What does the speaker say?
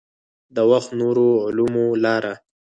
د وخت نورو علومو لاره.